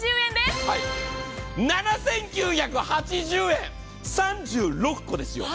７９８０円、３６個ですよ。